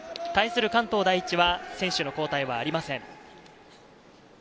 対する関東第一は選手の交代はありません。